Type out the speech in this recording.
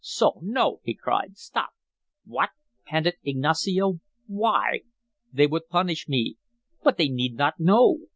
"So, no!" he cried. "Stop." "What!" panted Ignacio. "Why?" "They would punish me." "But they need not know?"